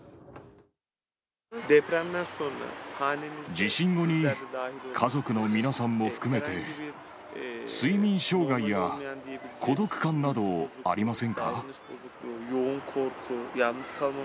地震後に、家族の皆さんも含めて、睡眠障害や孤独感などありませんか？